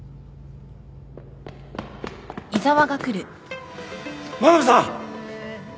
真鍋さん！